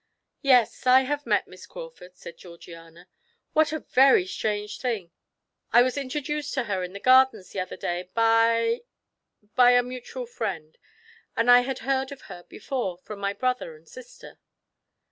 "Yes, I have met Miss Crawford," said Georgiana, "what a very strange thing! I was introduced to her in the gardens the other day by by a mutual friend, and I had heard of her before from my brother and sister."